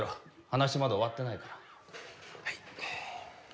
はなしまだおわってないから。